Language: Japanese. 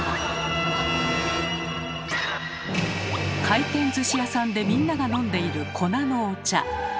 回転寿司屋さんでみんなが飲んでいる粉のお茶。